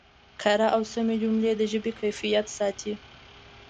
کره او سمې جملې د ژبې کیفیت ساتي.